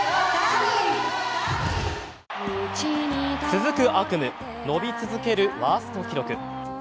続く悪夢、伸び続けるワースト記録